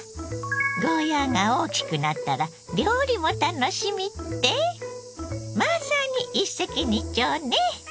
ゴーヤーが大きくなったら料理も楽しみって⁉まさに一石二鳥ね！